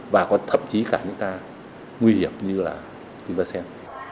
và có thậm chí cả những ca nguy hiểm như là quynh vasem